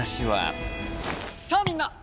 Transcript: さあみんな！